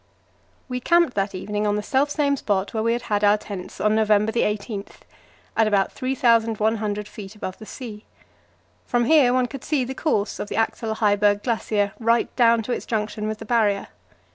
We camped that evening on the selfsame spot where we had had our tent on November 18, at about 3,100 feet above the sea. From here one could see the course of the Axel Heiberg Glacier right down to its junction with the Barrier.